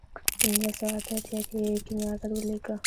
په نولس سوه اته اتیا کې یې کیمیاګر ولیکه.